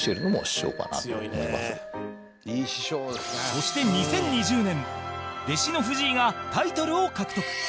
そして、２０２０年弟子の藤井がタイトルを獲得